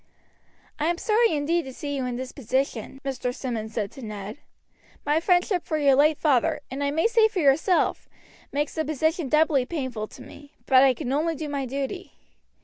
"I am sorry indeed to see you in this position," Mr. Simmonds said to Ned. "My friendship for your late father, and I may say for yourself, makes the position doubly painful to me, but I can only do my duty.